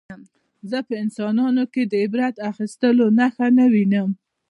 زه په انسانانو کې د عبرت اخیستلو نښه نه وینم